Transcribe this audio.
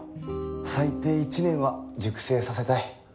最低１年は熟成させたい。